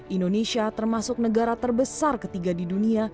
indonesia termasuk negara terbesar ketiga di dunia